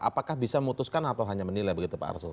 apakah bisa memutuskan atau hanya menilai begitu pak arsul